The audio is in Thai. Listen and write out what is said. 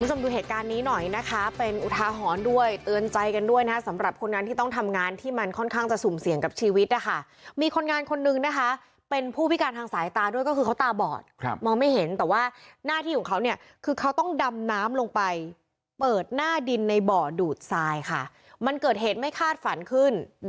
คุณผู้ชมดูเหตุการณ์นี้หน่อยนะคะเป็นอุทาหรณ์ด้วยเตือนใจกันด้วยนะสำหรับคนนั้นที่ต้องทำงานที่มันค่อนข้างจะสุ่มเสี่ยงกับชีวิตนะคะมีคนงานคนนึงนะคะเป็นผู้พิการทางสายตาด้วยก็คือเขาตาบอดครับมองไม่เห็นแต่ว่าหน้าที่ของเขาเนี่ยคือเขาต้องดำน้ำลงไปเปิดหน้าดินในบ่อดูดทรายค่ะมันเกิดเหตุไม่คาดฝันขึ้น